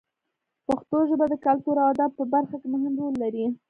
پښتو ژبه د کلتور او ادب په برخه کې مهم رول لري.